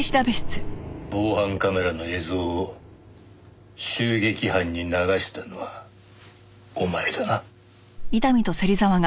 防犯カメラの映像を襲撃犯に流したのはお前だな？